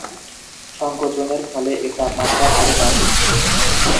সংকোচনের ফলে এর তাপমাত্রা আরো বাড়তে থাকে।